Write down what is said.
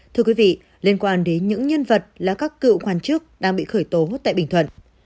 thưa quý vị liên quan đến những nhân vật là các cựu quan chức đang bị khởi tố tại bình thuận